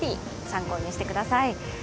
参考にしてください。